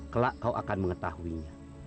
kelak kau akan mengetahuinya